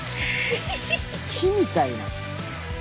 木みたいな。